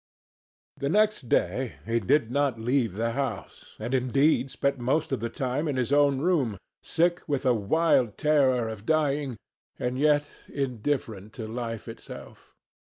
The next day he did not leave the house, and, indeed, spent most of the time in his own room, sick with a wild terror of dying, and yet indifferent to life itself.